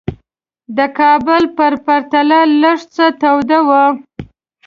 د کابل په پرتله لږ څه توده وه.